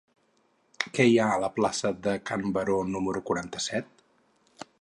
Què hi ha a la plaça de Can Baró número quaranta-set?